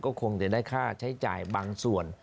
ก็คงจะได้ค่าใช้จ่ายบางส่วน